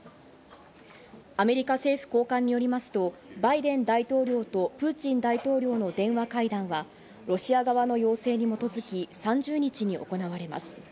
アメリカ政府高官によりますと、バイデン大統領とプーチン大統領の電話会談はロシア側の要請に基づき３０日に行われます。